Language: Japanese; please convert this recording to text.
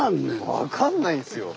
分かんないんですよ。